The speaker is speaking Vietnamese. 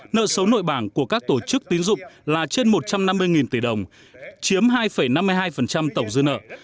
nợ xấu nội bảng của các tổ chức tín dụng là trên một trăm năm mươi tỷ đồng chiếm hai năm mươi hai tổng dư nợ